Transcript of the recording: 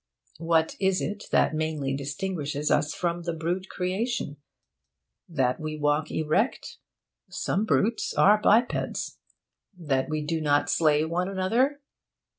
What is it that mainly distinguishes us from the brute creation? That we walk erect? Some brutes are bipeds. That we do not slay one another?